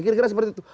kira kira seperti itu